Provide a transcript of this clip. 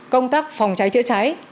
công tác phòng cháy chữa cháy